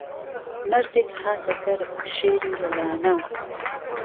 مەردێک هاته دهر شێری له لانه